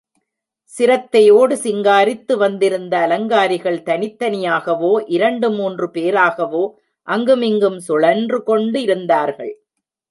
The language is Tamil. சிரத்தையோடு சிங்காரித்து வந்திருந்த அலங்காரிகள் தனித் தனியாகவோ, இரண்டு மூன்று பேராகவோ அங்கு மிங்கும் சுழன்று கொண்டிருந்தார்கள்.